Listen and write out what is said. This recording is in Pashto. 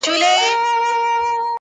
ما نیولې نن ده بس روژه د محبت په نوم,